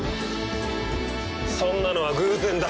そんなのは偶然だ。